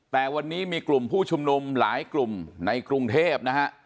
แต่วันนี้มีกลุ่มผู้ชุมนุมหลายกลุ่มในกรุงเทพนะฮะ